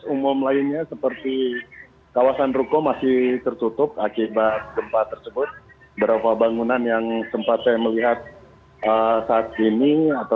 untuk para pengusaha